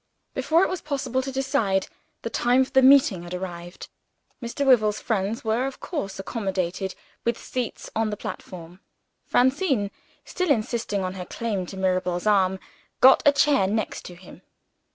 Before it was possible to decide, the time for the meeting had arrived. Mr. Wyvil's friends were of course accommodated with seats on the platform. Francine, still insisting on her claim to Mirabel's arm, got a chair next to him.